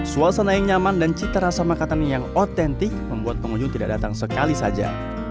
suasana yang nyaman dan cita rasa makanan yang otentik membuat pengunjung tidak datang sekali saja